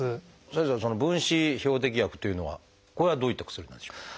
先生その分子標的薬というのはこれはどういった薬なんでしょうか？